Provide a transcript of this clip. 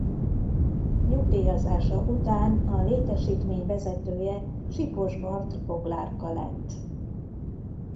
Nyugdíjazása után a létesítmény vezetője Sipos-Bartl Boglárka lett.